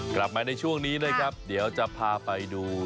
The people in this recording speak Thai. กลับมาในช่วงนี้นะครับเดี๋ยวจะพาไปดู